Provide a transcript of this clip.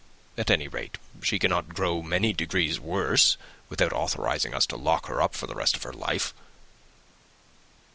At any rate, she cannot grow many degrees worse, without authorizing us to lock her up for the rest of her life."